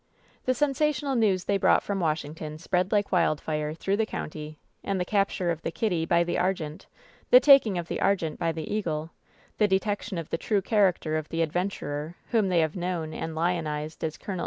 The sensational news they brought from Washington spread "like wildfire" through the county, and the cap ture of the Kitty by the Argenie; the taking of the Ar gente by the Eagle; the detection of the true character of the adventurer whom they had known and lionized as Col.